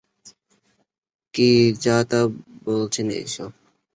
কি যাতা বলছেন এসব!